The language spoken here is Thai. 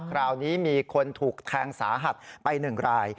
คราวนี้มีคนถูกแทงสาหัสไป๑ราย